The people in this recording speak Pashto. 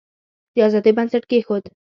د آزادی بنسټ کښېښود.